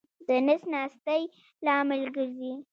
د نس ناستې لامل ګرځي.